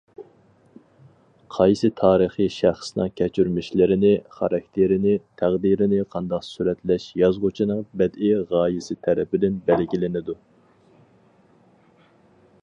قايسى تارىخىي شەخسنىڭ كەچۈرمىشلىرىنى، خاراكتېرىنى، تەقدىرىنى قانداق سۈرەتلەش يازغۇچىنىڭ بەدىئىي غايىسى تەرىپىدىن بەلگىلىنىدۇ.